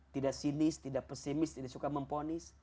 tidak sinis tidak pesimis tidak suka memponis